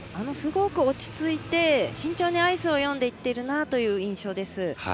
すごく落ち着いて慎重にアイスを読んでいっているなという印象です。